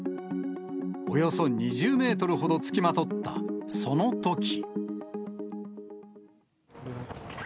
およそ２０メートルほど付きまとったそのとき。